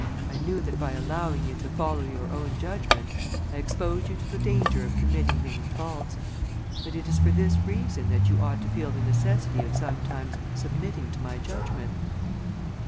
I knew that by allowing you to follow your own judgment, I exposed you to the danger of committing many faults; but it is for this reason that you ought to feel the necessity of sometimes submitting to my judgment."